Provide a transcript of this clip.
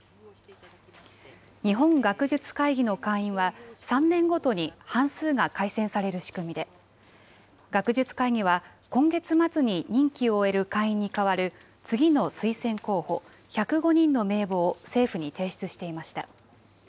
日本学術会議の会員は３年ごとに半数が改選される仕組みで、学術会議は今月末に任期を終える会員に代わる次の推薦候補１０５人の名簿を政府に提出していました。